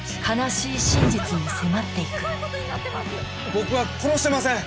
僕は殺してません！